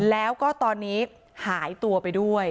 แล้วก็ตอนนี้หายตัวไปด้วย